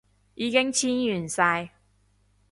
已經簽完晒